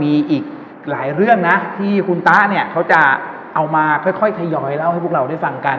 มีอีกหลายเรื่องนะที่คุณตะเนี่ยเขาจะเอามาค่อยทยอยเล่าให้พวกเราได้ฟังกัน